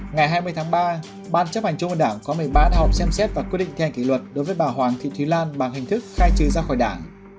ngày hai mươi tháng ba ban chấp hành chung với đảng có một mươi ba hợp xem xét và quy định theo hành kỷ luật đối với bà hoàng thị thúy lan bằng hình thức khai trừ ra khỏi đảng